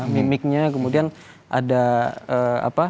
mimiknya kemudian ada apa